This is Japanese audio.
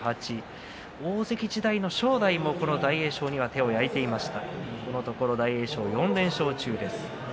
過去は１６対８大関時代の正代この大栄翔には手を焼いていました。